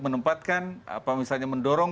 menempatkan apa misalnya mendorong